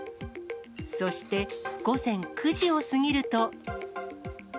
そして、午前９時を過ぎると。